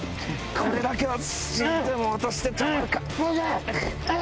これだけは死んでも渡してたまるか！